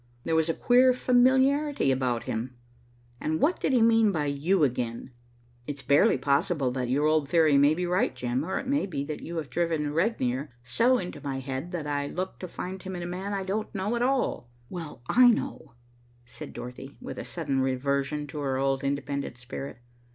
There was a queer familiarity about him, and what did he mean by, 'You again?' It's barely possible that your old theory may be right, Jim, or it may be that you have driven Regnier so into my head that I looked to find him in a man I don't know at all." "Well, I know," said Dorothy, with a sudden reversion to her old independent spirit.